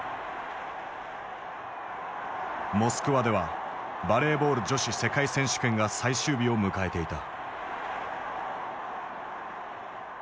モスクワではバレーボール女子世界選手権が最終日を迎えていた。